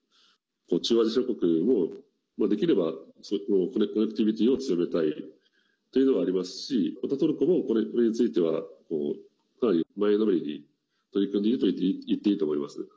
中央アジア諸国もできれば、コネクティビティーを強めたいというのがありますしまたトルコも、これについてはかなり前のめりに取り組んでいるといっていいと思います。